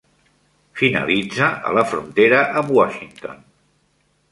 Finalitza a la frontera amb Washington.